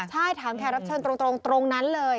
ใช่ถามแขกรับเชิญตรงนั้นเลย